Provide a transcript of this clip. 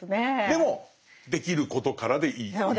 でもできることからでいいっていう。